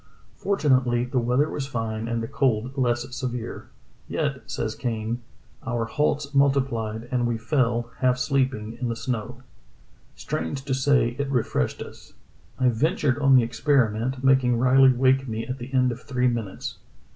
Fort unately the weather was fine and the cold less severe. Yet, says Kane, "Our halts multiplied, and we fell, half sleeping, in the snow. Strange to say, it refreshed us. I ventured on the experiment, making Riley wake me at the end of three minutes.